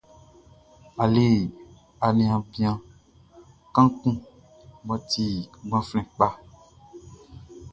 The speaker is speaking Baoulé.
A le aniaan bian kaan kun mʼɔ ti klanman kpaʼn.